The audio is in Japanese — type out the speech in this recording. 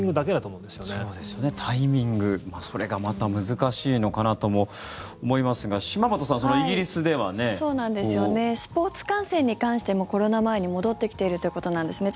そうですよね、タイミングそれがまた難しいのかなとも思いますがスポーツ観戦に関してもコロナ前に戻ってきているということなんですね。